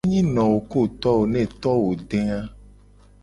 Enyi no wo ku to wo ne to wo de a.